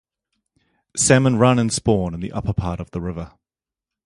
Salmon run and spawn in the upper part of the river.